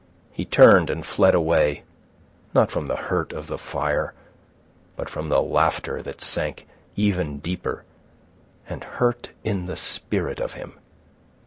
He turned and fled away, not from the hurt of the fire, but from the laughter that sank even deeper, and hurt in the spirit of him.